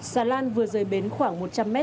xà lan vừa rời bến khoảng một trăm linh m